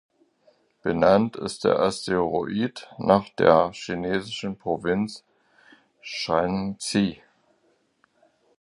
Benannt ist der Asteroid nach der chinesischen Provinz Shaanxi.